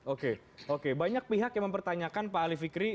oke oke banyak pihak yang mempertanyakan pak ali fikri